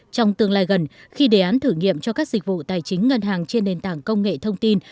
trong tương lai gần khi đề án thử nghiệm cho các dịch vụ tài chính ngân hàng trên nền tảng công nghệ thông tin